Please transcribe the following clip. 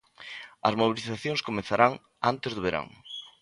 As mobilizacións comezarán antes do verán.